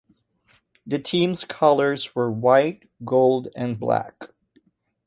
The team's colors were white, gold and black.